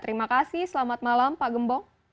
terima kasih selamat malam pak gembong